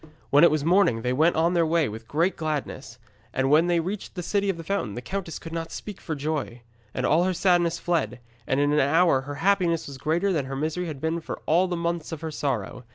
When it was morning they went on their way with great gladness. And when they reached the City of the Fountain, the countess could not speak for joy, and all her sadness fled, and in an hour her happiness was greater than her misery had been for all the months of her sorrow.